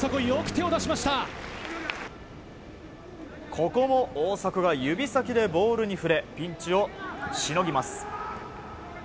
ここも大迫が指先でボールに触れピンチをしのぎます。